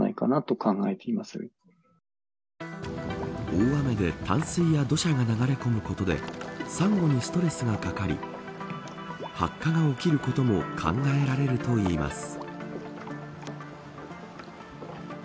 大雨で淡水や土砂が流れ込むことでサンゴにストレスがかかり白化が起きることも考えられるといいます。